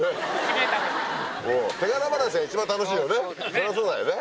そりゃそうだよね